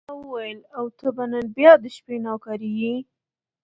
ما وویل: او ته به نن بیا د شپې نوکري یې.